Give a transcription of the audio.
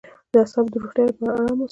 د اعصابو د روغتیا لپاره ارام اوسئ